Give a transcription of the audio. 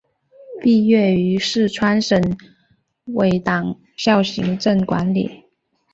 毕业于四川省委党校行政管理。